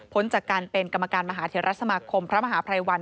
จากการเป็นกรรมการมหาเทรสมาคมพระมหาภัยวัน